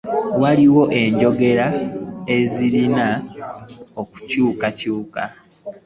Waliwo enjogera ezirina okukyuka.